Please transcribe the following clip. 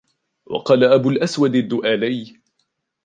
وَقَالَ أَبُو الْأَسْوَدِ الدُّؤَلِيُّ